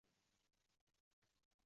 O`shanda o`n birinchi sinfda o`qirdik